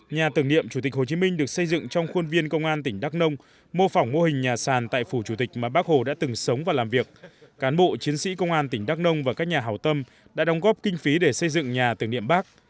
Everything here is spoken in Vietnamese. nhà tưởng niệm chủ tịch hồ chí minh được xây dựng trong khuôn viên công an tỉnh đắk nông mô phỏng mô hình nhà sàn tại phủ chủ tịch mà bác hồ đã từng sống và làm việc cán bộ chiến sĩ công an tỉnh đắk nông và các nhà hào tâm đã đóng góp kinh phí để xây dựng nhà tưởng niệm bắc